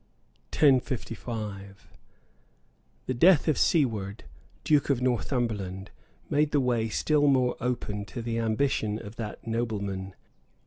{1055.} The death of Siward, duke of Northumberland, made the way still more open to the ambition of that nobleman.